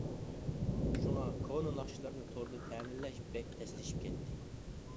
شۇڭا كونا ناخشىلارنى توردا تەمىنلەش بەك تەسلىشىپ كەتتى.